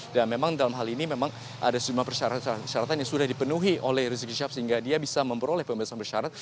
dan memang dalam hal ini memang ada semua persyaratan persyaratan yang sudah dipenuhi oleh rizik hishab sehingga dia bisa memperoleh pembebasan bersyarat